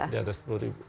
di atas sepuluh ribu